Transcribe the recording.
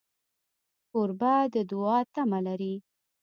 کوربه د دوعا تمه لري.